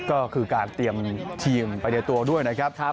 ก็คือการเตรียมทีมไปในตัวด้วยนะครับ